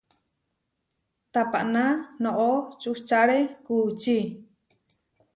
Tapaná noʼó čuhčáre kuučí.